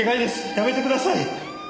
やめてください。